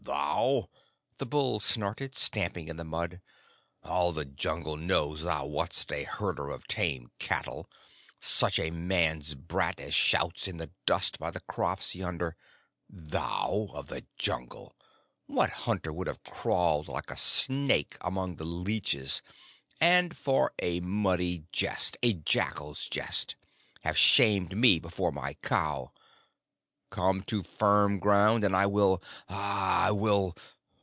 Thou?" the bull snorted, stamping in the mud. "All the Jungle knows thou wast a herder of tame cattle such a man's brat as shouts in the dust by the crops yonder. Thou of the Jungle! What hunter would have crawled like a snake among the leeches, and for a muddy jest a jackal's jest have shamed me before my cow? Come to firm ground, and I will I will...."